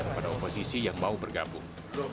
kepada oposisi yang mau bergabung